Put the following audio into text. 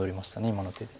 今の手で。